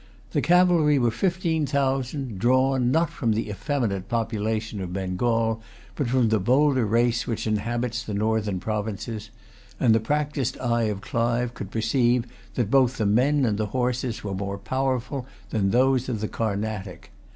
The cavalry were fifteen thousand, drawn, not from the effeminate population of Bengal, but from the bolder race which inhabits the northern provinces; and the practised eye of Clive could perceive that both the men and the horses were more powerful than those of the Carnatic.